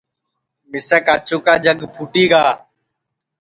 مِسے کاچُو کا جگ پُھوٹی گا